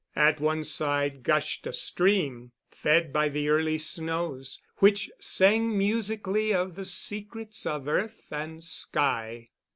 At one side gushed a stream, fed by the early snows, which sang musically of the secrets of earth and sky.